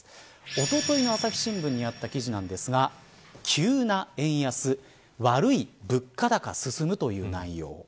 おとといの朝日新聞にあった記事ですが急な円安、悪い物価高進むという内容。